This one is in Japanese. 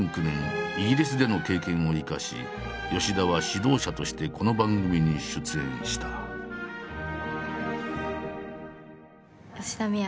２００９年イギリスでの経験を生かし吉田は指導者としてこの番組に出演した。